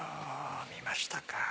見ましたか？